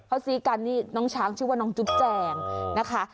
เขาซื้อกันนี่น้องช้างชื่อว่าน้องจุ๊บแจงนะคะ